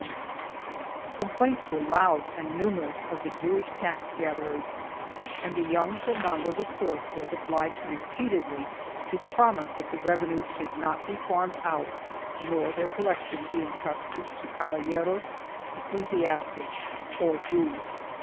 2 Complaints were loud and numerous of the Jewish tax gatherers, and the young Fernando IV was obliged repeatedly to promise that the revenues should not be farmed out nor their collection be entrusted to caballeros, ecclesiastics or Jews.